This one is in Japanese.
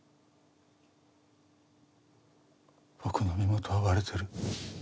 僕の身元は割れてる。